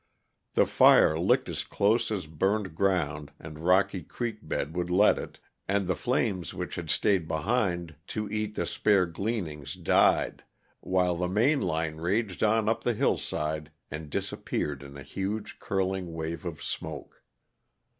The fire licked as close as burned ground and rocky creek bed would let it, and the flames which had stayed behind to eat the spare gleanings died, while the main line raged on up the hillside and disappeared in a huge, curling wave of smoke.